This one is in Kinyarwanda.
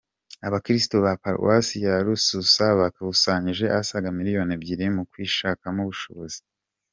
Abakirisitu ba Paruwasi ya Rususa bakusanyije asaga miliyoni ebyiri mu kwishakamo ubushobozi